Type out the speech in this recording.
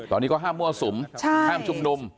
ตอนนี้ก็ห้ามมั่วสุมห้ามชุมนุม